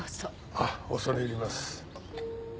あっ恐れ入ります。